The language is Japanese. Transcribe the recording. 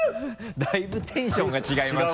だいぶテンションが違いますね。